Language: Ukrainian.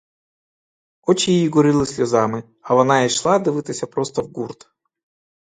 Очі їй горіли сльозами, а вона йшла й дивилась просто в гурт.